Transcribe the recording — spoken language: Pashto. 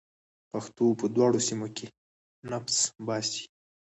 پښتو په دواړو سیمه کې نفس باسي.